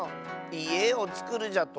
いえをつくるじゃと？